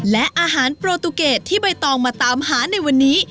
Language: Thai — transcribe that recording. และอาหารโปรตูเกตที่ใบตองมาตามหาในวันนี้